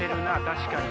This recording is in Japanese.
確かに